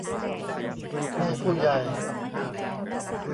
ให้ผู้ใหญ่